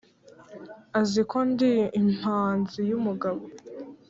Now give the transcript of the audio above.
Azi ko ndi impanzi y'umugabo.